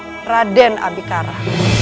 abikara dan abikara